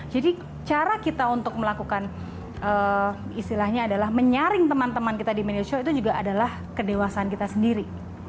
jadi cara kita untuk melakukan isilahnya adalah menaring teman teman kita di media sosial itu juga adalah kedewasaan kita sendiri